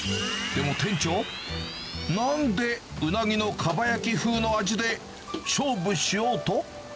でも店長、なんでウナギのかば焼き風の味で勝負しようと？